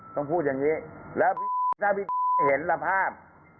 ต้องพูดอย่างนี้แล้วถ้าพี่เห็นละภาพ